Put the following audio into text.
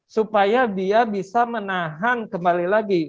supaya dia bisa menahan kembali lagi